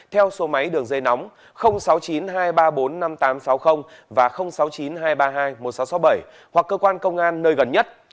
theo số máy đường dây nóng sáu mươi chín hai trăm ba mươi bốn năm nghìn tám trăm sáu mươi và sáu mươi chín hai trăm ba mươi hai một nghìn sáu trăm sáu mươi bảy hoặc cơ quan công an nơi gần nhất